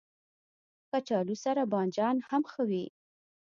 کچالو سره بانجان هم ښه وي